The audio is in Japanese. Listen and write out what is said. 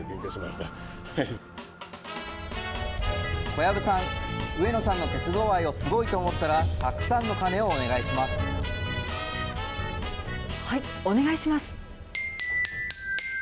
小籔さん、上野さんの鉄道愛をすごいと思ったら、たくさんの鐘をお願いしまお願いします。